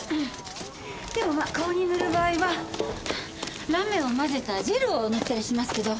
でもまあ顔に塗る場合はラメを混ぜたジェルを塗ったりしますけど。